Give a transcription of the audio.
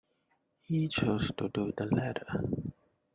He chose to do the latter.